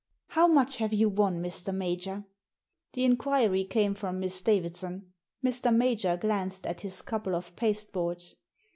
" How much have you won, Mr. Major? " The inquiry came from Miss Davidson. Mr. Major glanced at his couple of pasteboards.